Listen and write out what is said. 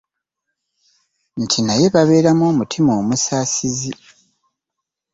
Nti naye babeemu omutima omusaasizi